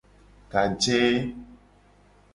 Gaje.